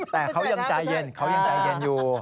แต่เขายังใจเย็นอยู่